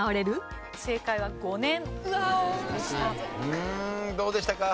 うーんどうでしたか？